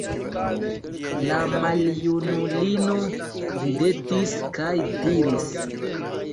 La maljunulino ridetis kaj diris: